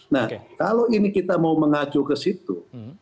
nah kalau ini kita mau mengacu ke situ